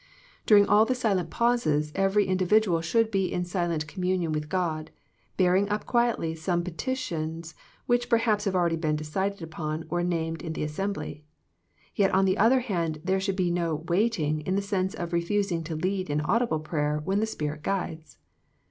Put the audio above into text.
During all the silent pauses, every individual should be in silent communion with God, bearing up quietly some petitions which perhaps have already been decided upon or named in the assembly. Yet on the other hand there should be no " waiting " in the sense of refusing to lead in audible prayer when the Spirit guides.